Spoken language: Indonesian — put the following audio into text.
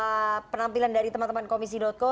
apa penampilan dari teman teman komisi co